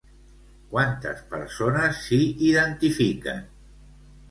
Quantes persones s'hi identifiquen?